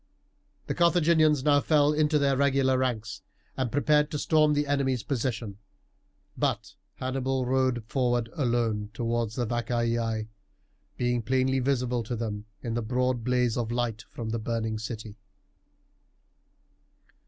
The Carthaginians now fell into their regular ranks, and prepared to storm the enemy's position; but Hannibal rode forward alone towards the Vacaei, being plainly visible to them in the broad blaze of light from the burning city.